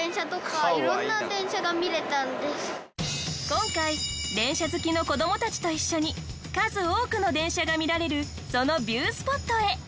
今回電車好きの子どもたちと一緒に数多くの電車が見られるそのビュースポットへ。